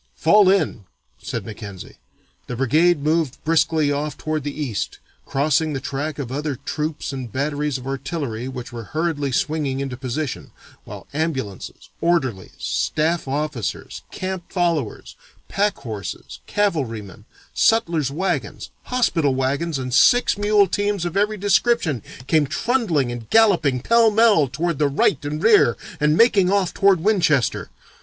'Fall in!' said Mackenzie. The brigade moved briskly off toward the east, crossing the track of other troops and batteries of artillery which were hurriedly swinging into position, while ambulances, orderlies, staff officers, camp followers, pack horses, cavalrymen, sutler's wagons, hospital wagons, and six mule teams of every description came trundling and galloping pell mell toward the right and rear and making off toward Winchester.